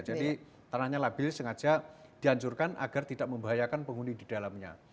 jadi tanahnya labil sengaja dihancurkan agar tidak membahayakan penghuni di dalamnya